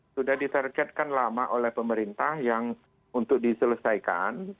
sudah disargetkan lama oleh pemerintah untuk diselesaikan